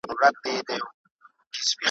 څه خبر وي چي پر نورو څه تیریږي `